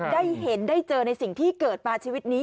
ได้เห็นได้เจอในสิ่งที่เกิดมาชีวิตนี้